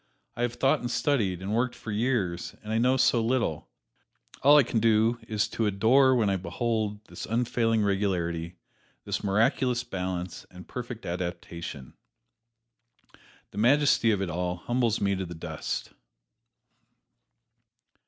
I have thought and studied, and worked for years, and I know so little all I can do is to adore when I behold this unfailing regularity, this miraculous balance and perfect adaptation. The majesty of it all humbles me to the dust."